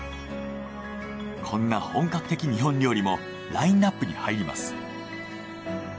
こんな本格的日本料理もラインアップに入ります。